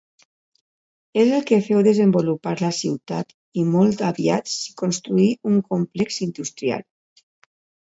És el que féu desenvolupar la ciutat, i molt aviat s'hi construí un complex industrial.